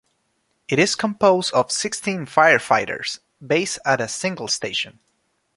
It is composed of sixteen firefighters based at a single station.